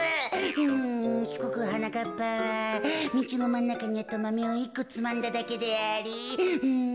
うんひこくはなかっぱはみちのまんなかにあったマメを１こつまんだだけでありうん